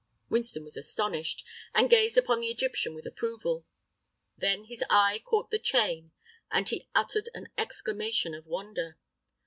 Winston was astonished, and gazed upon the Egyptian with approval. Then his eye caught the chain, and he uttered an exclamation of wonder.